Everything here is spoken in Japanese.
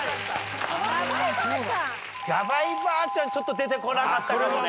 『がばいばあちゃん』ちょっと出てこなかったかもね。